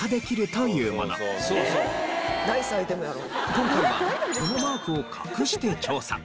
今回はこのマークを隠して調査。